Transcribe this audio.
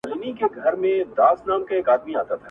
هلته به پوه سې چي د میني اور دي وسوځوي!